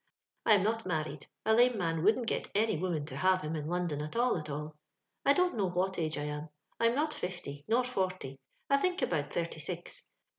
I am not manied: elame man wouldn't gat aoy woman lo haifo bim in London at all, at all I dont loiow what age I am. I am not Ally, nor fbrty ; I think abont thirty ais.